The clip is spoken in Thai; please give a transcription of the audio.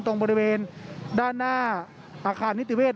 ตรงบริเวณด้านหน้าอาคารนิติเวศ